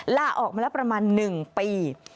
ล่าออกมาแล้วประมาณ๑ปี